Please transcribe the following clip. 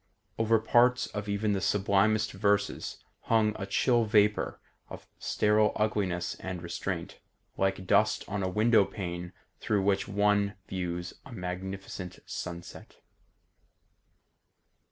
Over parts of even the sublimest verses hung a chill vapour of sterile ugliness and restraint, like dust on a window pane through which one views a magnificent sunset.